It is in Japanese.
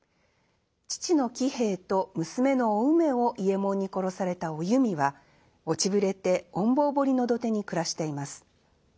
父の喜兵衛と娘のお梅を伊右衛門に殺されたお弓は落ちぶれて隠亡堀の土手に暮らしています。